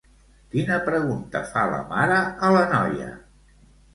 Quina pregunta fa la mare a la noia?